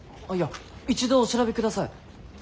あいや一度お調べください。